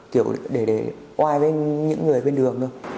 kiểu để oai với những người bên đường thôi